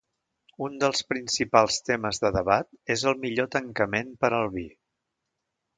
Un dels principals temes de debat és el millor tancament per al vi.